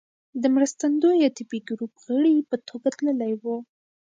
د مرستندويه طبي ګروپ غړي په توګه تللی و.